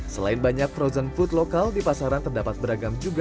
selain banyak frozen food lokal di pasaran terdapat beragam juga